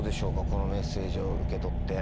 このメッセージを受け取って。